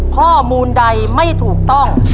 ข้อมูลใดไม่ถูกต้อง